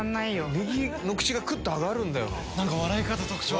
右の口がくっと上がるんだよな。